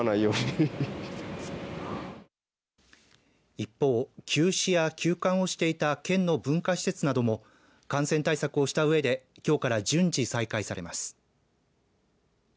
一方、休止や休館をしていた県の文化施設なども感染対策をしたうえできょうから順次再開されます。